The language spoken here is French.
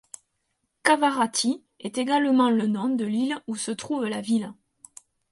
Kavaratti est également le nom de l'île où se trouve la ville.